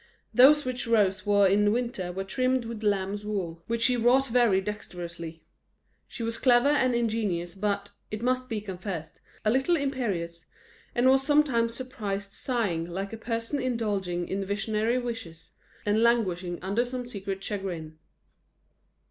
Those which Rose wore in winter were trimmed with lamb's wool, which she wrought very dexterously; she was clever and ingenious but, it must be confessed, a little imperious; and was sometimes surprised sighing like a person indulging in visionary wishes, and languishing under some secret chagrin.